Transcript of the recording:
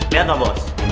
liat pak bos